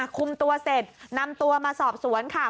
คุมตัวเสร็จนำตัวมาสอบสวนค่ะ